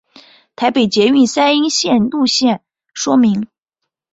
台北捷运三莺线路线说明